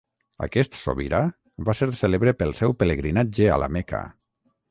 Aquest sobirà va ser cèlebre pel seu pelegrinatge a la Meca.